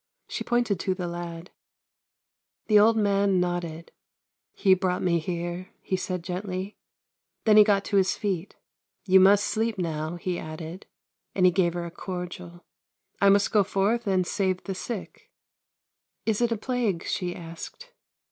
She pointed to the lad. The old man nodded. " He brought me here," he said gently. Then he got to his feet. " You must sleep now," he added, and he gave her a cordial. " I must go forth and save the sick." " Is it a plague? " she asked.